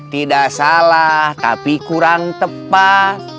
tidak salah tapi kurang tepat